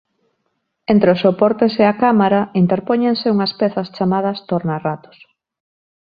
Entre os soportes e a cámara interpóñense unhas pezas chamadas tornarratos.